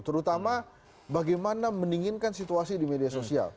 terutama bagaimana mendinginkan situasi di media sosial